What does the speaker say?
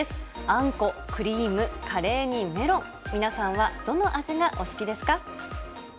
あんこ、クリーム、カレーにメロン、皆さんはどの味がお好きですか？